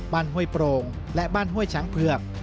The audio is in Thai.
ห้วยโปร่งและบ้านห้วยช้างเผือก